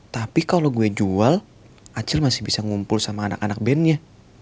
tapi kalau gue jual acil masih bisa ngumpul sama anak anak bandnya